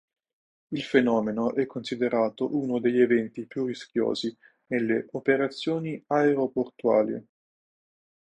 Il fenomeno è considerato uno degli eventi più rischiosi nelle operazioni aeroportuali.